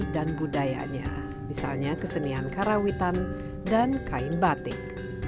dan budayanya misalnya kesenian karawitan dan kain batik